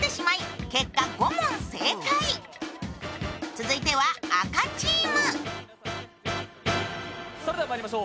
続いては赤チーム。